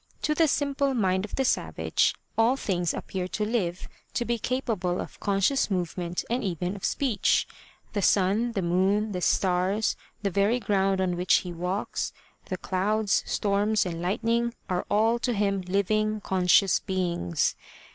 To the simple mind of the savage, all things appear to live, to be capable of conscious movement and even of speech. The sun, the moon, the stars, the very ground on which he walks, the clouds, storms and light ning are all to him living, conscious beings.